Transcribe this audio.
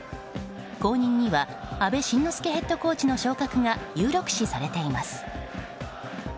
後任には阿部慎之助ヘッドコーチの昇格が有力視されています。